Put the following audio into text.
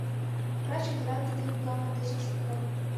Врач ӱдырат тиде пуламыр деч ыш утло.